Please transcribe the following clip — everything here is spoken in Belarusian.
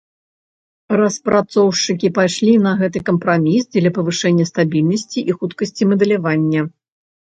Распрацоўшчыкі пайшлі на гэты кампраміс дзеля павышэння стабільнасці і хуткасці мадэлявання.